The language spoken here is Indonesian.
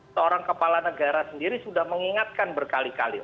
seorang kepala negara sendiri sudah mengingatkan berkali kali